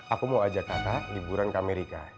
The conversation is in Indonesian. aku mau ajak anda liburan ke amerika